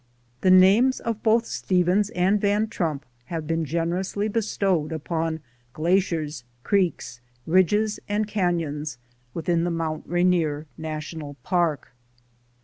The names of both Stevens and Van Trump have been generously bestowed upon glaciers, creeks, ridges, and canons within the Mount Rainier National Park.